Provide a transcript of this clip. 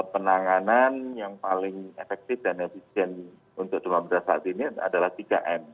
penanganan yang paling efektif dan efisien untuk demam berat saat ini adalah tiga m